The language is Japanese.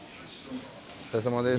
お疲れさまです。